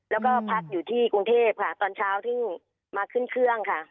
แล้วก็พักอยู่ที่กรุงเทพค่ะตอนเช้าที่มาขึ้นเครื่องค่ะ